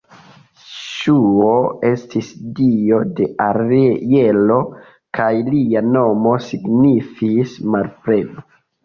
Ŝuo estis dio de aero kaj lia nomo signifis "malpleno".